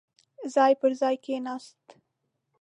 ځای پر ځاې کېناست.